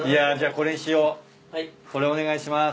これお願いします。